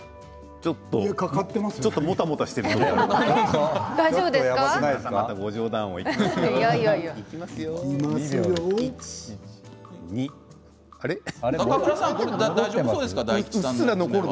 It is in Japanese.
ちょっともたもたしているような。